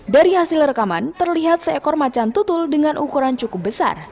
dari hasil rekaman terlihat seekor macan tutul dengan ukuran cukup besar